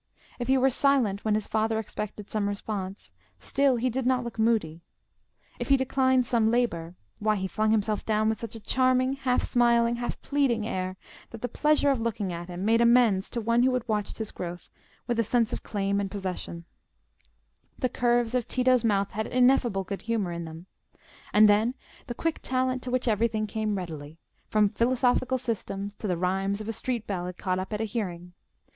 If he were silent when his father expected some response, still he did not look moody; if he declined some labour—why, he flung himself down with such a charming, half smiling, half pleading air, that the pleasure of looking at him made amends to one who had watched his growth with a sense of claim and possession: the curves of Tito's mouth had ineffable good humour in them. And then, the quick talent to which everything came readily, from philosophical systems to the rhymes of a street ballad caught up at a hearing!